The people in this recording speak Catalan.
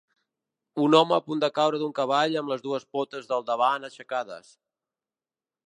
Un home a punt de caure d'un cavall amb les dues potes del davant aixecades.